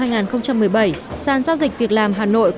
sàn giao dịch việc làm hà nội